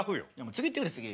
次いってくれ次。